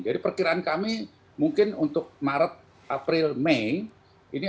jadi perkiraan kami untuk maret april dan mei